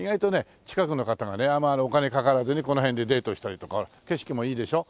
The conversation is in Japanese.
近くの方があまりお金かからずにこの辺でデートしたりとか景色もいいでしょ。